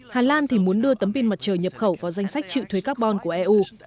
hà lan thì muốn đưa tấm pin mặt trời nhập khẩu vào danh sách chịu thuế carbon của eu